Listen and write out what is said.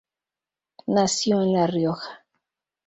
Nació en La Rioja.